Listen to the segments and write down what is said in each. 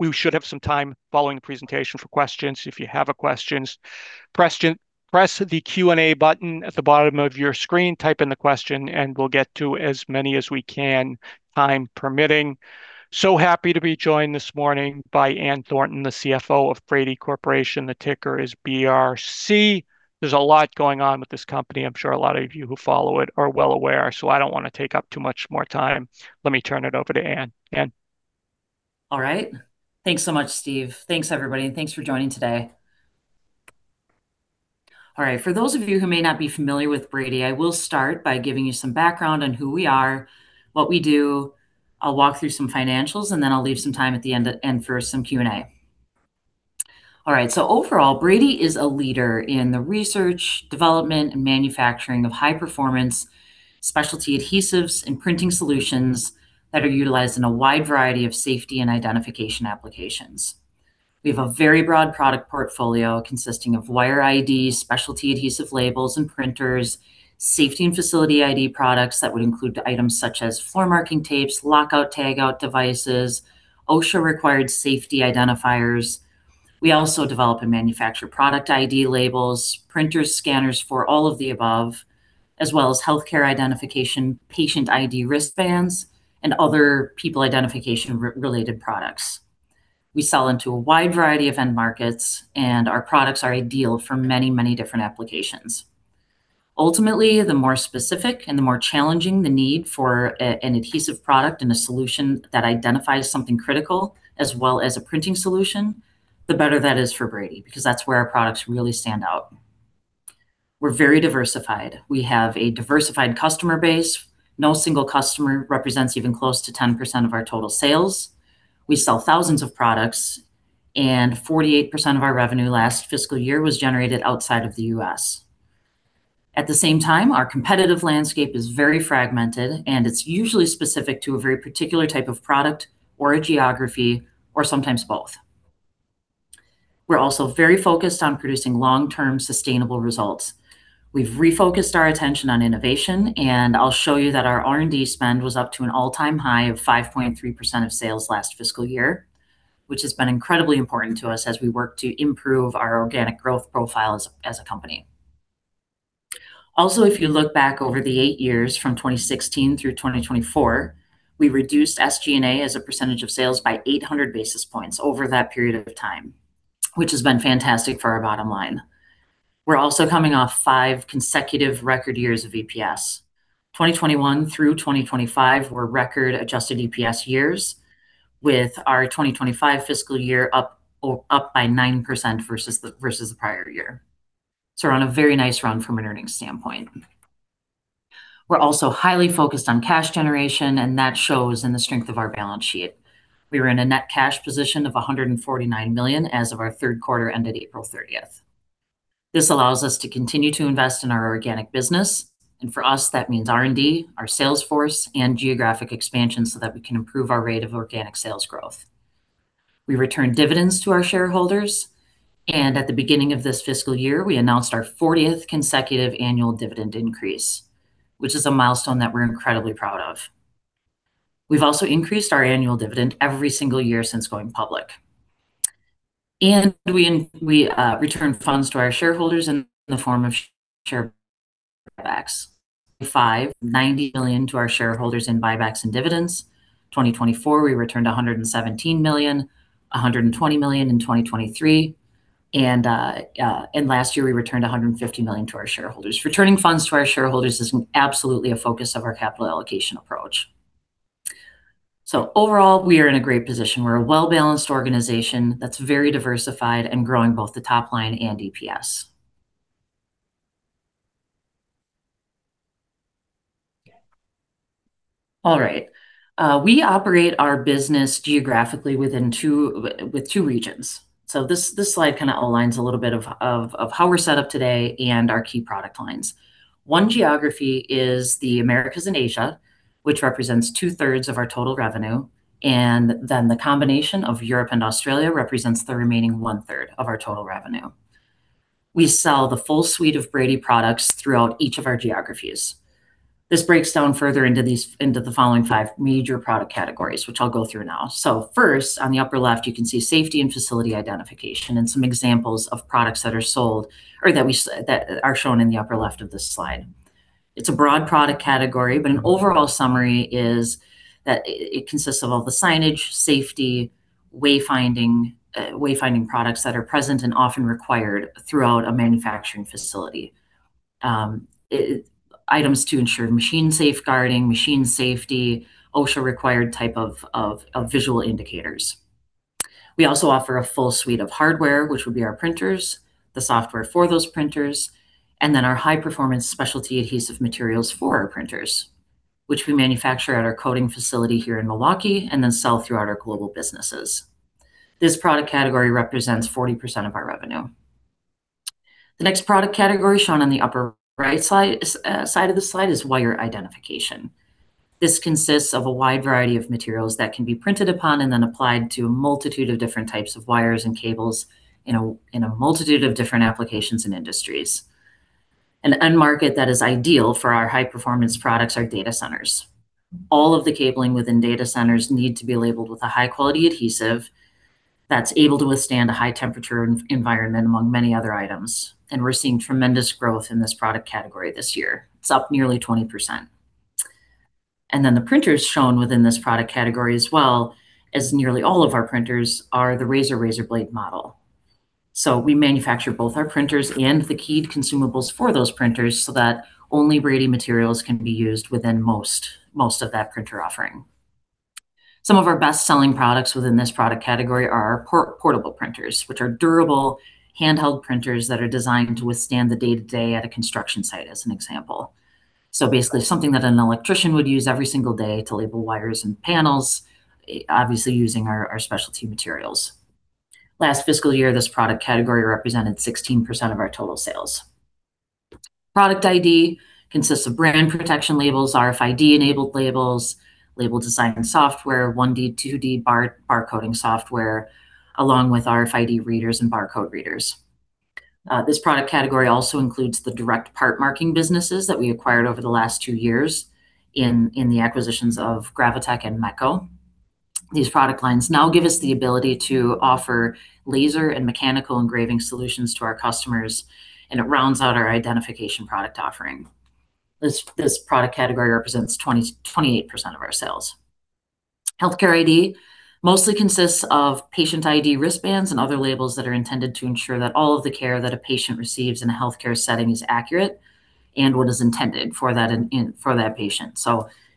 We should have some time following the presentation for questions. If you have a question, press the Q&A button at the bottom of your screen, type in the question, and we'll get to as many as we can, time permitting. Happy to be joined this morning by Ann Thornton, the CFO of Brady Corporation. The ticker is BRC. There's a lot going on with this company. I'm sure a lot of you who follow it are well aware, so I don't want to take up too much more time. Let me turn it over to Ann. Ann? All right. Thanks so much, Steve. Thanks, everybody, and thanks for joining today. All right. For those of you who may not be familiar with Brady, I will start by giving you some background on who we are, what we do, I'll walk through some financials, and then I'll leave some time at the end for some Q&A. All right. Overall, Brady is a leader in the research, development, and manufacturing of high-performance specialty adhesives and printing solutions that are utilized in a wide variety of safety and identification applications. We have a very broad product portfolio consisting of wire IDs, specialty adhesive labels and printers, safety and facility ID products that would include items such as floor marking tapes, lockout tagout devices, OSHA-required safety identifiers. We also develop and manufacture product ID labels, printers, scanners for all of the above, as well as healthcare identification, patient ID wristbands, and other people identification-related products. We sell into a wide variety of end markets, and our products are ideal for many different applications. Ultimately, the more specific and the more challenging the need for an adhesive product and a solution that identifies something critical, as well as a printing solution, the better that is for Brady, because that's where our products really stand out. We're very diversified. We have a diversified customer base. No single customer represents even close to 10% of our total sales. We sell thousands of products, and 48% of our revenue last fiscal year was generated outside of the U.S. At the same time, our competitive landscape is very fragmented, and it's usually specific to a very particular type of product or a geography, or sometimes both. We're also very focused on producing long-term sustainable results. We've refocused our attention on innovation, and I'll show you that our R&D spend was up to an all-time high of 5.3% of sales last fiscal year, which has been incredibly important to us as we work to improve our organic growth profile as a company. Also, if you look back over the eight years from 2016 through 2024, we reduced SG&A as a percentage of sales by 800 basis points over that period of time, which has been fantastic for our bottom line. We're also coming off five consecutive record years of EPS. 2021 through 2025 were record-adjusted EPS years, with our 2025 fiscal year up by 9% versus the prior year. We're on a very nice run from an earnings standpoint. We're also highly focused on cash generation, and that shows in the strength of our balance sheet. We were in a net cash position of $149 million as of our third quarter end of April 30th. This allows us to continue to invest in our organic business, and for us, that means R&D, our sales force, and geographic expansion so that we can improve our rate of organic sales growth. We return dividends to our shareholders. At the beginning of this fiscal year, we announced our 40th consecutive annual dividend increase, which is a milestone that we're incredibly proud of. We've also increased our annual dividend every single year since going public. We return funds to our shareholders in the form of share buybacks. In 2025, $90 million to our shareholders in buybacks and dividends. 2024, we returned $117 million. $120 million in 2023. Last year, we returned $150 million to our shareholders. Returning funds to our shareholders is absolutely a focus of our capital allocation approach. Overall, we are in a great position. We're a well-balanced organization that's very diversified and growing both the top line and EPS. All right. We operate our business geographically with two regions. This slide kind of outlines a little bit of how we're set up today and our key product lines. One geography is the Americas and Asia, which represents two-thirds of our total revenue, and the combination of Europe and Australia represents the remaining one-third of our total revenue. We sell the full suite of Brady products throughout each of our geographies. This breaks down further into the following five major product categories, which I'll go through now. First, on the upper left, you can see safety and facility identification, and some examples of products that are shown in the upper left of this slide. It's a broad product category, but an overall summary is that it consists of all the signage, safety, wayfinding products that are present and often required throughout a manufacturing facility. Items to ensure machine safeguarding, machine safety, OSHA-required type of visual indicators. We also offer a full suite of hardware, which would be our printers, the software for those printers, and our high-performance specialty adhesive materials for our printers, which we manufacture at our coating facility here in Milwaukee and then sell throughout our global businesses. This product category represents 40% of our revenue. The next product category shown on the upper right side of the slide is wire identification. This consists of a wide variety of materials that can be printed upon and then applied to a multitude of different types of wires and cables in a multitude of different applications and industries. An end market that is ideal for our high-performance products are data centers. All of the cabling within data centers need to be labeled with a high-quality adhesive that's able to withstand a high-temperature environment, among many other items. We're seeing tremendous growth in this product category this year. It's up nearly 20%. The printers shown within this product category as well, as nearly all of our printers, are the BradyPrinter model. We manufacture both our printers and the keyed consumables for those printers so that only Brady materials can be used within most of that printer offering. Some of our best-selling products within this product category are our portable printers, which are durable handheld printers that are designed to withstand the day-to-day at a construction site, as an example. Basically, something that an electrician would use every single day to label wires and panels, obviously using our specialty materials. Last fiscal year, this product category represented 16% of our total sales. Product ID consists of brand protection labels, RFID-enabled labels, label design software, 1D, 2D barcoding software, along with RFID readers and barcode readers. This product category also includes the direct part marking businesses that we acquired over the last two years in the acquisitions of Gravotech and MECCO. These product lines now give us the ability to offer laser and mechanical engraving solutions to our customers, and it rounds out our identification product offering. This product category represents 28% of our sales. Healthcare ID mostly consists of patient ID wristbands and other labels that are intended to ensure that all of the care that a patient receives in a healthcare setting is accurate and what is intended for that patient.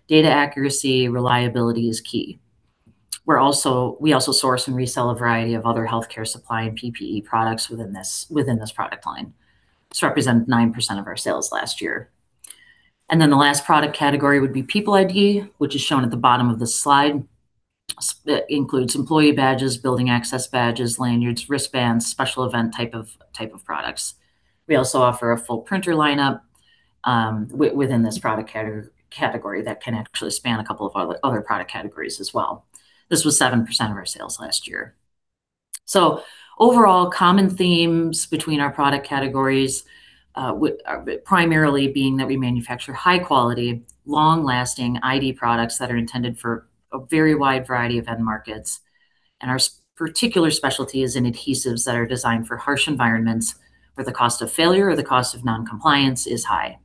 Data accuracy, reliability is key. We also source and resell a variety of other healthcare supply and PPE products within this product line. This represented 9% of our sales last year. The last product category would be people ID, which is shown at the bottom of the slide. That includes employee badges, building access badges, lanyards, wristbands, special event type of products. We also offer a full printer lineup within this product category that can actually span a couple of our other product categories as well. This was 7% of our sales last year. Overall, common themes between our product categories, primarily being that we manufacture high quality, long-lasting ID products that are intended for a very wide variety of end markets. Our particular specialty is in adhesives that are designed for harsh environments where the cost of failure or the cost of non-compliance is high.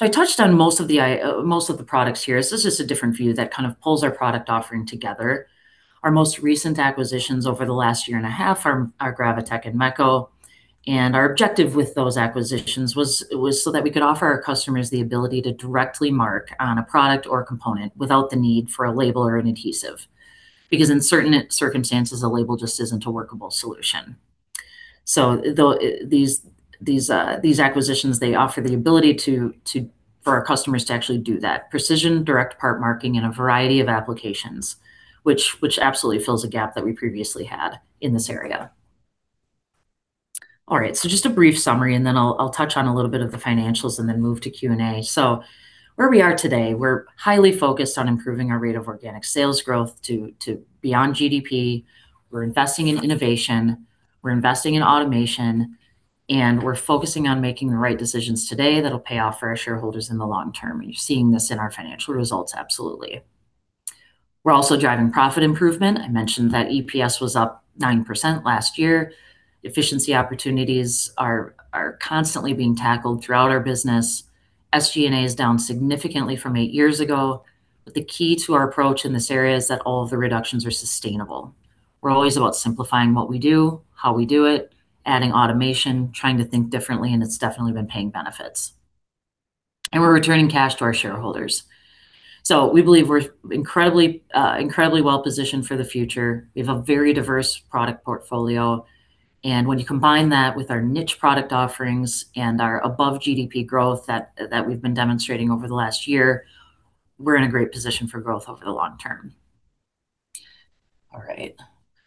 I touched on most of the products here. This is just a different view that kind of pulls our product offering together. Our most recent acquisitions over the last year and a half are Gravotech and MECCO. Our objective with those acquisitions was so that we could offer our customers the ability to directly mark on a product or component without the need for a label or an adhesive. In certain circumstances, a label just isn't a workable solution. These acquisitions, they offer the ability for our customers to actually do that precision direct part marking in a variety of applications, which absolutely fills a gap that we previously had in this area. Just a brief summary, I'll touch on a little bit of the financials, move to Q&A. Where we are today, we're highly focused on improving our rate of organic sales growth to beyond GDP. We're investing in innovation, we're investing in automation, we're focusing on making the right decisions today that'll pay off for our shareholders in the long term. You're seeing this in our financial results absolutely. We're also driving profit improvement. I mentioned that EPS was up 9% last year. Efficiency opportunities are constantly being tackled throughout our business. SG&A is down significantly from eight years ago. The key to our approach in this area is that all of the reductions are sustainable. We're always about simplifying what we do, how we do it, adding automation, trying to think differently, and it's definitely been paying benefits. We're returning cash to our shareholders. We believe we're incredibly well-positioned for the future. We have a very diverse product portfolio. When you combine that with our niche product offerings and our above-GDP growth that we've been demonstrating over the last year, we're in a great position for growth over the long term. All right.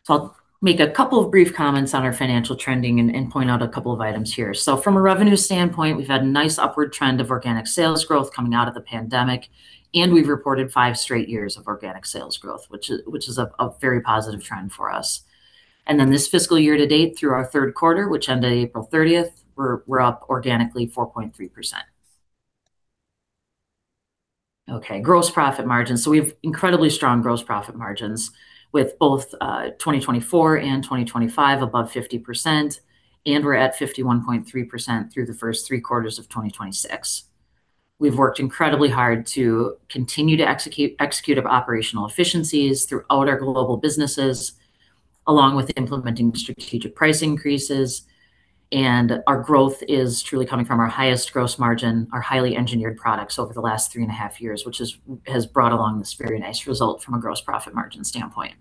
I'll make a couple of brief comments on our financial trending and point out a couple of items here. From a revenue standpoint, we've had a nice upward trend of organic sales growth coming out of the pandemic, and we've reported five straight years of organic sales growth, which is a very positive trend for us. This fiscal year to date through our third quarter, which ended April 30th, we're up organically 4.3%. Okay, gross profit margin. We have incredibly strong gross profit margins with both 2024 and 2025 above 50%, and we're at 51.3% through the first three quarters of 2026. We've worked incredibly hard to continue to execute operational efficiencies throughout our global businesses, along with implementing strategic price increases. Our growth is truly coming from our highest gross margin, our highly engineered products over the last three and a half years, which has brought along this very nice result from a gross profit margin standpoint.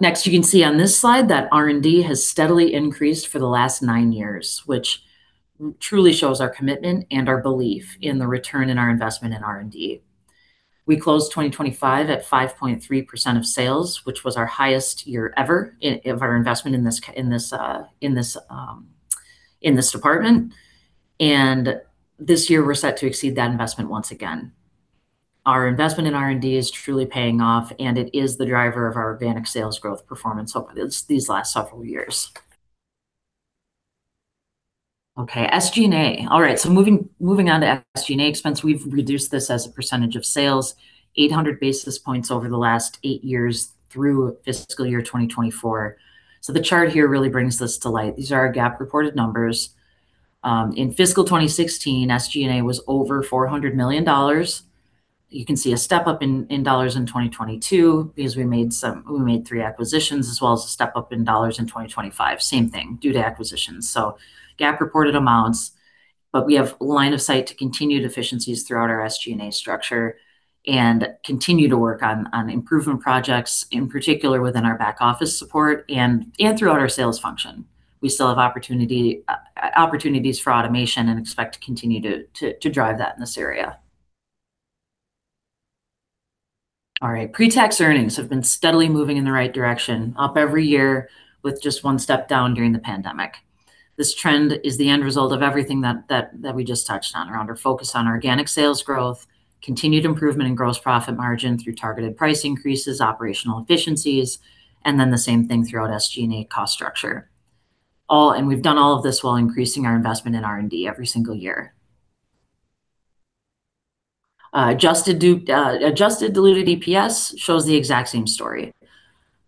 Next, you can see on this slide that R&D has steadily increased for the last nine years, which truly shows our commitment and our belief in the return on our investment in R&D. We closed 2025 at 5.3% of sales, which was our highest year ever of our investment in this department. This year, we're set to exceed that investment once again. Our investment in R&D is truly paying off, and it is the driver of our organic sales growth performance over these last several years. Okay, SG&A. All right, moving on to SG&A expense. We've reduced this as a percentage of sales 800 basis points over the last eight years through fiscal year 2024. The chart here really brings this to light. These are our GAAP reported numbers. In fiscal 2016, SG&A was over $400 million. You can see a step-up in dollars in 2022 because we made three acquisitions, as well as a step-up in dollars in 2025, same thing, due to acquisitions. GAAP reported amounts, but we have line of sight to continued efficiencies throughout our SG&A structure and continue to work on improvement projects, in particular within our back office support and throughout our sales function. We still have opportunities for automation and expect to continue to drive that in this area. All right. Pre-tax earnings have been steadily moving in the right direction, up every year with just one step down during the pandemic. This trend is the end result of everything that we just touched on, around our focus on organic sales growth, continued improvement in gross profit margin through targeted price increases, operational efficiencies, the same thing throughout SG&A cost structure. We've done all of this while increasing our investment in R&D every single year. Adjusted diluted EPS shows the exact same story.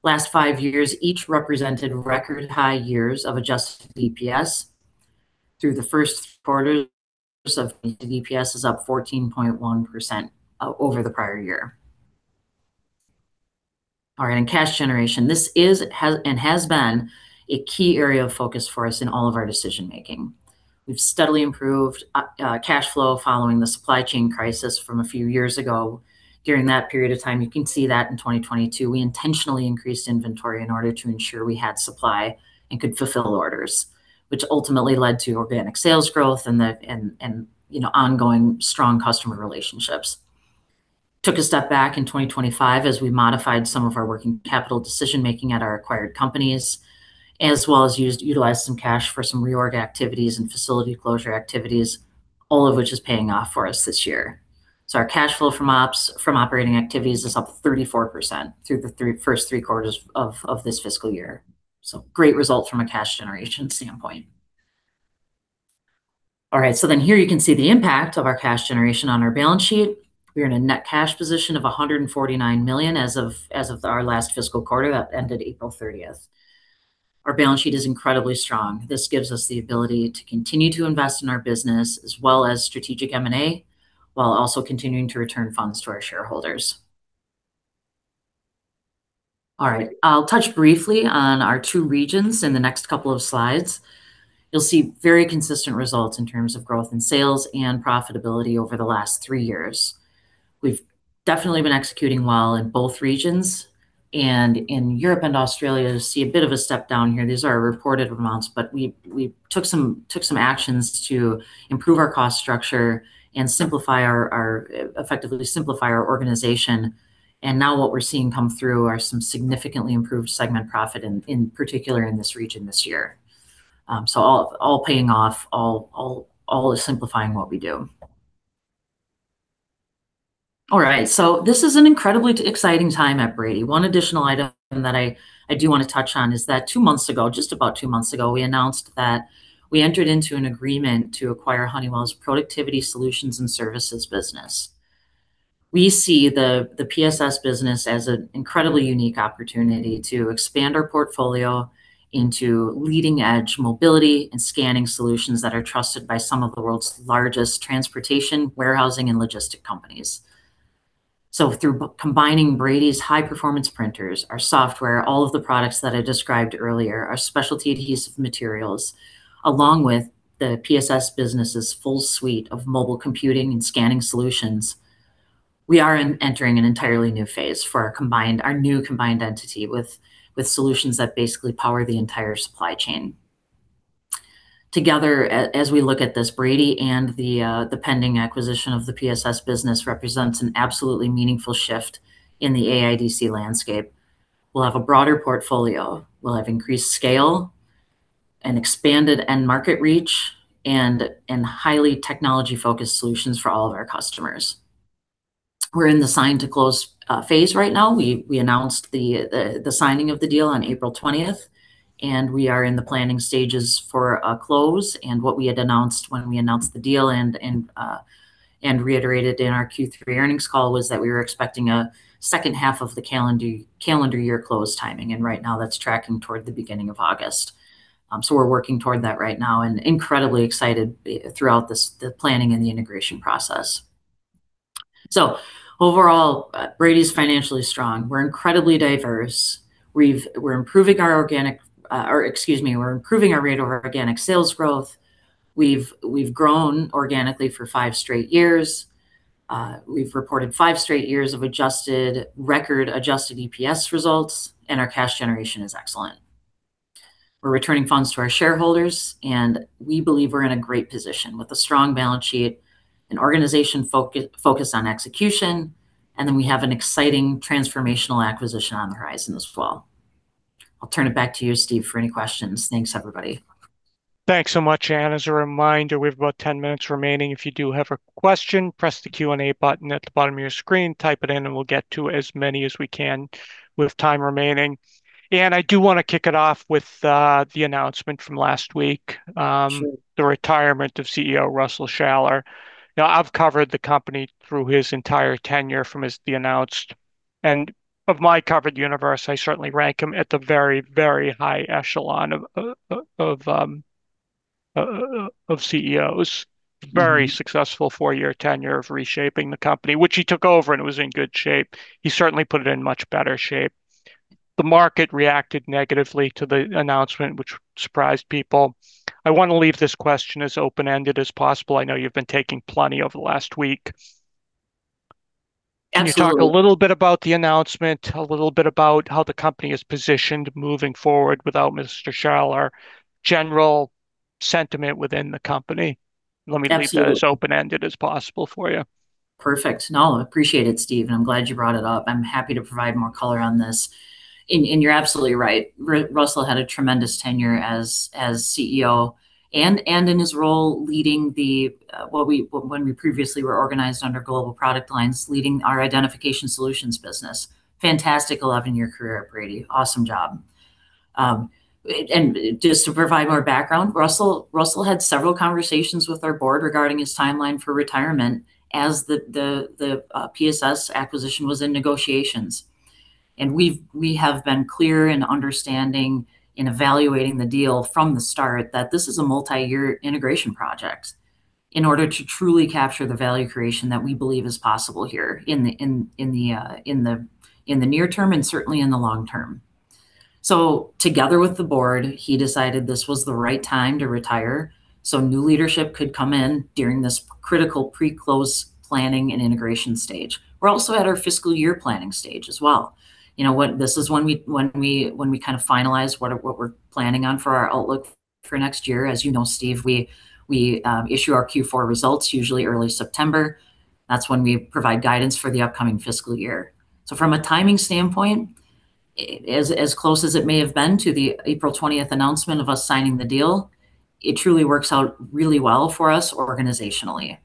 Last five years, each represented record high years of adjusted EPS. Through the first quarter of EPS is up 14.1% over the prior year. All right. Cash generation. This is and has been a key area of focus for us in all of our decision-making. We've steadily improved cash flow following the supply chain crisis from a few years ago. During that period of time, you can see that in 2022, we intentionally increased inventory in order to ensure we had supply and could fulfill orders, which ultimately led to organic sales growth and ongoing strong customer relationships. Took a step back in 2025 as we modified some of our working capital decision-making at our acquired companies. As well as utilized some cash for some reorg activities and facility closure activities, all of which is paying off for us this year. Our cash flow from operating activities is up 34% through the first three quarters of this fiscal year. Great results from a cash generation standpoint. All right. Here you can see the impact of our cash generation on our balance sheet. We are in a net cash position of $149 million as of our last fiscal quarter that ended April 30th. Our balance sheet is incredibly strong. This gives us the ability to continue to invest in our business as well as strategic M&A, while also continuing to return funds to our shareholders. All right. I'll touch briefly on our two regions in the next couple of slides. You'll see very consistent results in terms of growth in sales and profitability over the last three years. We've definitely been executing well in both regions. In Europe and Australia, you'll see a bit of a step-down here. These are our reported amounts, but we took some actions to improve our cost structure and effectively simplify our organization. Now what we're seeing come through are some significantly improved segment profit, in particular in this region this year. All paying off, all is simplifying what we do. All right. This is an incredibly exciting time at Brady. One additional item that I do want to touch on is that two months ago, just about two months ago, we announced that we entered into an agreement to acquire Honeywell's Productivity Solutions and Services business. We see the PSS business as an incredibly unique opportunity to expand our portfolio into leading-edge mobility and scanning solutions that are trusted by some of the world's largest transportation, warehousing, and logistic companies. Through combining Brady's high-performance printers, our software, all of the products that I described earlier, our specialty adhesive materials, along with the PSS business' full suite of mobile computing and scanning solutions, we are entering an entirely new phase for our new combined entity with solutions that basically power the entire supply chain. Together, as we look at this, Brady and the pending acquisition of the PSS business represents an absolutely meaningful shift in the AIDC landscape. We'll have a broader portfolio, we'll have increased scale, an expanded end market reach, and highly technology-focused solutions for all of our customers. We're in the sign to close phase right now. We announced the signing of the deal on April 20th, we are in the planning stages for a close. What we had announced when we announced the deal and reiterated in our Q3 earnings call was that we were expecting a second half of the calendar year close timing, right now that's tracking toward the beginning of August. We're working toward that right now and incredibly excited throughout the planning and the integration process. Overall, Brady's financially strong. We're incredibly diverse. We're improving our organic, or excuse me, we're improving our rate of organic sales growth. We've grown organically for five straight years. We've reported five straight years of adjusted record adjusted EPS results, and our cash generation is excellent. We're returning funds to our shareholders, we believe we're in a great position with a strong balance sheet and organization focused on execution, we have an exciting transformational acquisition on the horizon this fall. I'll turn it back to you, Steve, for any questions. Thanks, everybody. Thanks so much, Ann. As a reminder, we have about 10 minutes remaining. If you do have a question, press the Q&A button at the bottom of your screen, type it in, we'll get to as many as we can with time remaining. Ann, I do want to kick it off with the announcement from last week. The retirement of CEO Russell Shaller. I've covered the company through his entire tenure. Of my covered universe, I certainly rank him at the very, very high echelon of CEOs. Very successful four-year tenure of reshaping the company, which he took over, and it was in good shape. He certainly put it in much better shape. The market reacted negatively to the announcement, which surprised people. I want to leave this question as open-ended as possible. I know you've been taking plenty over the last week. Absolutely. Can you talk a little bit about the announcement, a little bit about how the company is positioned moving forward without Mr. Shaller, general sentiment within the company? Let me leave that as open-ended as possible for you. Perfect. No, I appreciate it, Steve, I'm glad you brought it up. I'm happy to provide more color on this. You're absolutely right. Russell had a tremendous tenure as CEO and in his role leading the, when we previously were organized under Global Product Lines, leading our Identification Solutions business. Fantastic 11-year career at Brady. Awesome job. Just to provide more background, Russell had several conversations with our board regarding his timeline for retirement as the PSS acquisition was in negotiations. We have been clear in understanding, in evaluating the deal from the start, that this is a multi-year integration project in order to truly capture the value creation that we believe is possible here in the near term and certainly in the long term. Together with the board, he decided this was the right time to retire, so new leadership could come in during this critical pre-close planning and integration stage. We're also at our fiscal year planning stage as well. This is when we kind of finalize what we're planning on for our outlook for next year. As you know, Steve, we issue our Q4 results usually early September. That's when we provide guidance for the upcoming fiscal year. From a timing standpoint, as close as it may have been to the April 20th announcement of us signing the deal, it truly works out really well for us organizationally.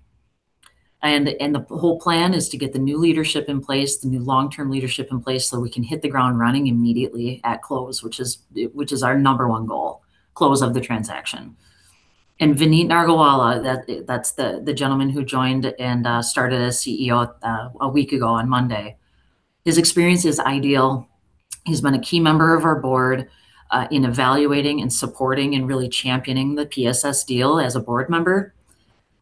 The whole plan is to get the new leadership in place, the new long-term leadership in place, so we can hit the ground running immediately at close, which is our number one goal. Close of the transaction. Vineet Nargolwala, that's the gentleman who joined and started as CEO a week ago on Monday. His experience is ideal. He's been a key member of our board in evaluating and supporting and really championing the PSS deal as a board member,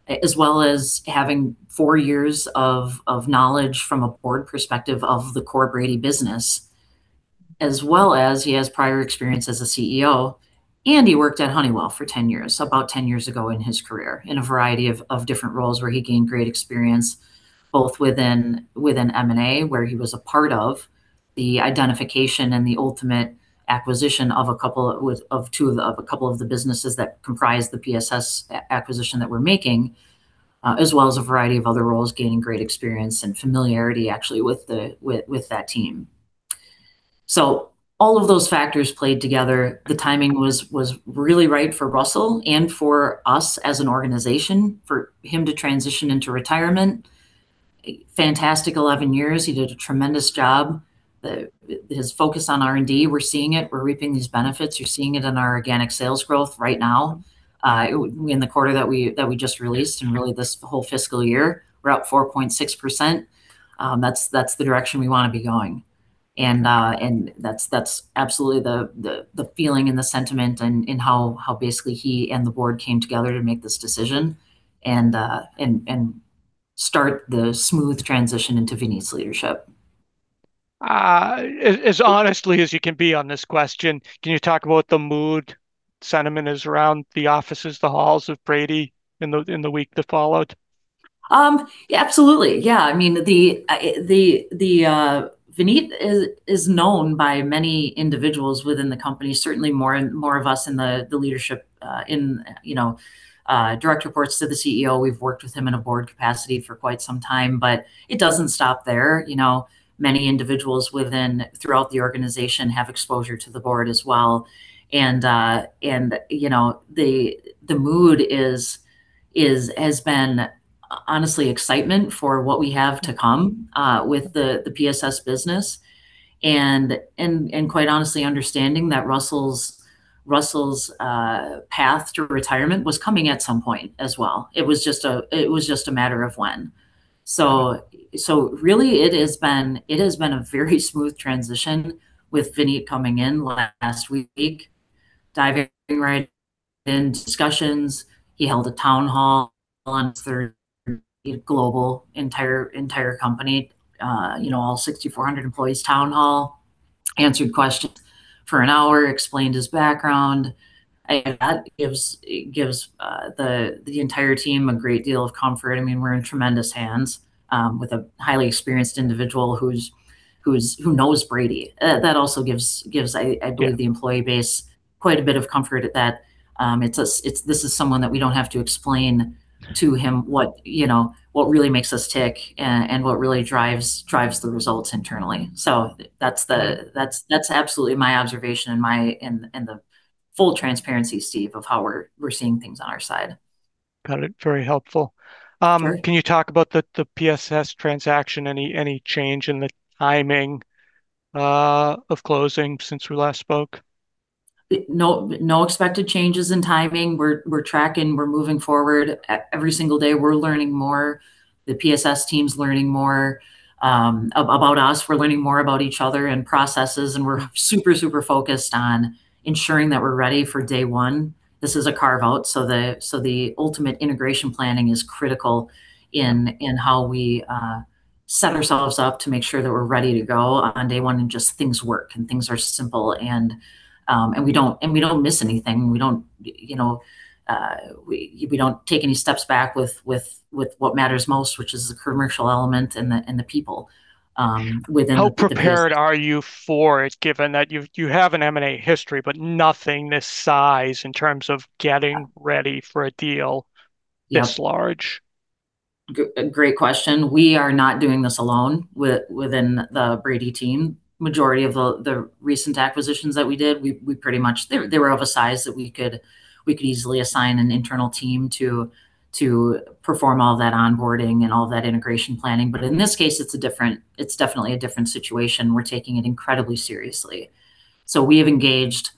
as well as having four years of knowledge from a board perspective of the core Brady business. As well as he has prior experience as a CEO, and he worked at Honeywell for 10 years, about 10 years ago in his career, in a variety of different roles where he gained great experience, both within M&A, where he was a part of the identification and the ultimate acquisition of a couple of the businesses that comprise the PSS acquisition that we're making. As well as a variety of other roles, gaining great experience and familiarity actually with that team. All of those factors played together. The timing was really right for Russell and for us as an organization for him to transition into retirement. Fantastic 11 years. He did a tremendous job. His focus on R&D, we're seeing it. We're reaping these benefits. You're seeing it in our organic sales growth right now. In the quarter that we just released and really this whole fiscal year, we're up 4.6%. That's the direction we want to be going. That's absolutely the feeling and the sentiment in how basically he and the board came together to make this decision and start the smooth transition into Vineet's leadership. As honestly as you can be on this question, can you talk about the mood, sentiment is around the offices, the halls of Brady in the week that followed? Yeah, absolutely. Yeah. Vineet is known by many individuals within the company, certainly more of us in the leadership in direct reports to the CEO. We've worked with him in a board capacity for quite some time. It doesn't stop there. Many individuals throughout the organization have exposure to the board as well. The mood has been honestly excitement for what we have to come with the PSS business, and quite honestly understanding that Russell's path to retirement was coming at some point as well. It was just a matter of when. Really it has been a very smooth transition with Vineet coming in last week, diving right in, discussions. He held a town hall on Thursday, global, entire company, all 6,400 employees town hall. Answered questions for an hour, explained his background. That gives the entire team a great deal of comfort. We're in tremendous hands with a highly experienced individual who knows Brady. That also gives, I believe the employee base quite a bit of comfort at that. This is someone that we don't have to explain to him what really makes us tick, and what really drives the results internally. That's absolutely my observation and the full transparency, Steve, of how we're seeing things on our side. Got it. Very helpful. Can you talk about the PSS transaction? Any change in the timing of closing since we last spoke? No expected changes in timing. We're tracking, we're moving forward. Every single day, we're learning more. The PSS team's learning more about us. We're learning more about each other and processes, and we're super focused on ensuring that we're ready for day one. This is a carve-out, so the ultimate integration planning is critical in how we set ourselves up to make sure that we're ready to go on day one, and just things work and things are simple, and we don't miss anything. We don't take any steps back with what matters most, which is the commercial element and the people within the business. How prepared are you for it, given that you have an M&A history, but nothing this size in terms of getting ready for a deal this large? Great question. We are not doing this alone within the Brady team. Majority of the recent acquisitions that we did, they were of a size that we could easily assign an internal team to perform all that onboarding and all that integration planning. In this case, it is definitely a different situation. We are taking it incredibly seriously. We have engaged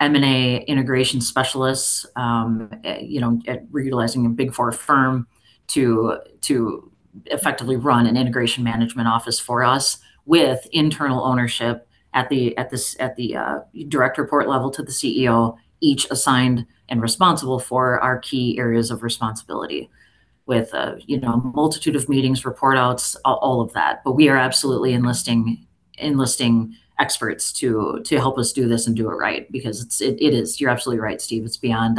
M&A integration specialists. We are utilizing a Big Four firm to effectively run an integration management office for us with internal ownership at the direct report level to the CEO, each assigned and responsible for our key areas of responsibility with a multitude of meetings, report outs, all of that. We are absolutely enlisting experts to help us do this and do it right because you are absolutely right, Steve. It is beyond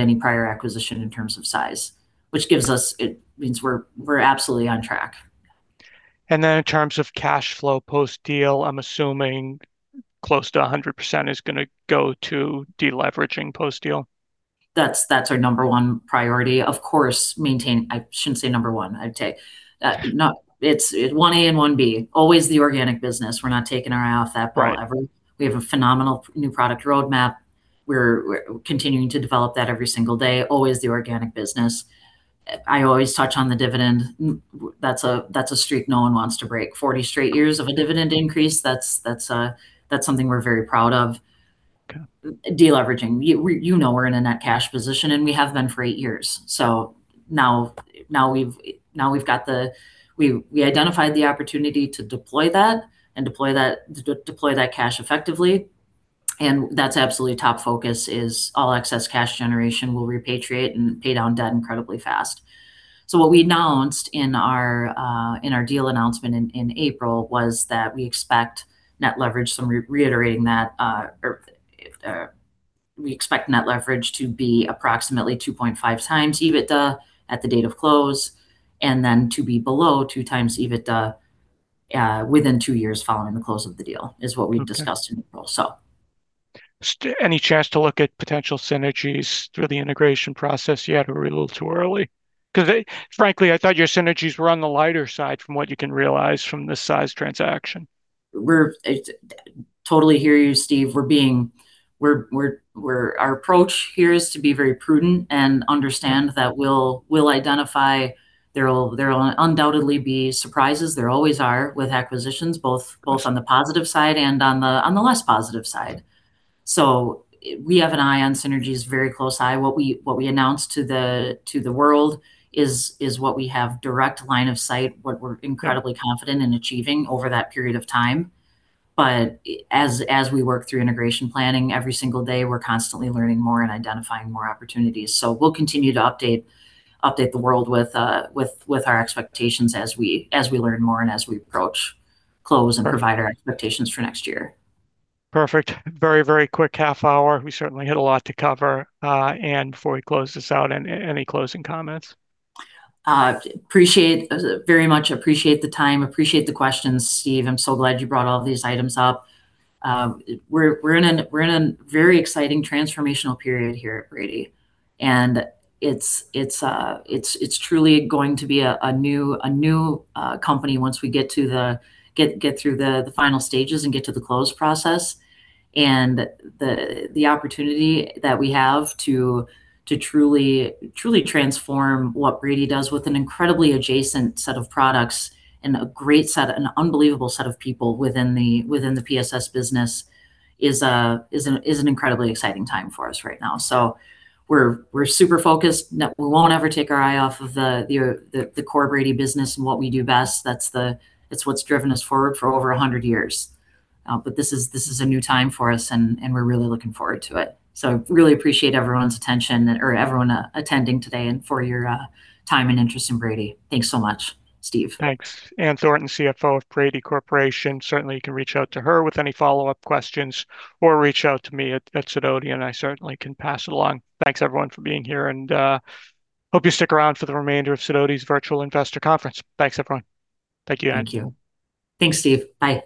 any prior acquisition in terms of size. It means we are absolutely on track. In terms of cash flow post-deal, I am assuming close to 100% is going to go to deleveraging post-deal? That is our number one priority. Of course, No, it is 1A and 1B, always the organic business. We are not taking our eye off that ever. We have a phenomenal new product roadmap. We are continuing to develop that every single day. Always the organic business. I always touch on the dividend. That is a streak no one wants to break. 40 straight years of a dividend increase, that is something we are very proud of. Deleveraging, you know, we're in a net cash position, and we have been for eight years. Now we identified the opportunity to deploy that, and to deploy that cash effectively. That's absolutely top focus is all excess cash generation will repatriate and pay down debt incredibly fast. What we announced in our deal announcement in April was that we expect net leverage, so reiterating that, or we expect net leverage to be approximately 2.5x EBITDA at the date of close, and then to be below 2x EBITDA within two years following the close of the deal, discussed in April. Any chance to look at potential synergies through the integration process yet, or are we a little too early? Frankly, I thought your synergies were on the lighter side from what you can realize from this size transaction. I totally hear you, Steve. Our approach here is to be very prudent and understand that we'll identify. There'll undoubtedly be surprises. There always are with acquisitions, both on the positive side and on the less positive side. We have an eye on synergies, very close eye. What we announced to the world is what we have direct line of sight, what we're incredibly confident in achieving over that period of time. As we work through integration planning every single day, we're constantly learning more and identifying more opportunities. We'll continue to update the world with our expectations as we learn more and as we approach close and provide our expectations for next year. Perfect. Very quick half hour. We certainly had a lot to cover. Ann, before we close this out, any closing comments? Very much appreciate the time, appreciate the questions, Steve. I'm so glad you brought all of these items up. We're in a very exciting transformational period here at Brady, it's truly going to be a new company once we get through the final stages and get to the close process. The opportunity that we have to truly transform what Brady does with an incredibly adjacent set of products and a great set, an unbelievable set of people within the PSS business is an incredibly exciting time for us right now. We're super focused. We won't ever take our eye off of the core Brady business and what we do best. That's what's driven us forward for over 100 years. This is a new time for us, and we're really looking forward to it. Really appreciate everyone's attention or everyone attending today and for your time and interest in Brady. Thanks so much, Steve. Thanks. Ann Thornton, CFO of Brady Corporation. Certainly, you can reach out to her with any follow-up questions or reach out to me at Sidoti, I certainly can pass it along. Thanks everyone for being here, hope you stick around for the remainder of Sidoti's Virtual Investor Conference. Thanks, everyone. Thank you, Ann. Thank you. Thanks, Steve. Bye.